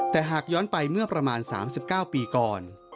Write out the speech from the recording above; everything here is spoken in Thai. แต่หากย้อนไปเมื่อประมาณ๓๙ปีก่อน